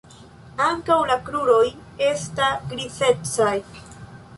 Ankaŭ la kruroj esta grizecaj.